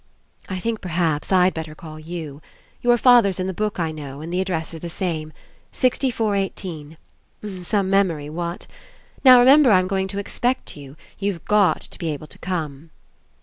"I think, perhaps, I'd better call you. Your father's In the book, I know, and the ad dress Is the same. Sixty four eighteen. Some memory, what? Now remember, I'm going to expect you. You've got to be able to come."